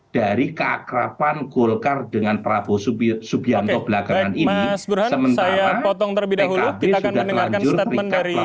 dari keakrapan golkar dengan prabowo subianto belakangan ini